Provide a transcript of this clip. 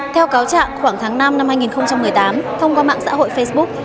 theo cáo trạng khoảng tháng năm năm hai nghìn một mươi tám thông qua mạng xã hội facebook